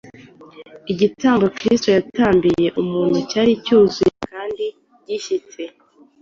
Igitambo Kristo yatambiye umuntu cyari cyuzuye kandi gishyitse.